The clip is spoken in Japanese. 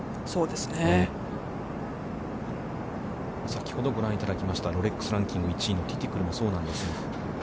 先ほどご覧いただきました、ロレックス・ランキング１位のティティクルもそうなんですが。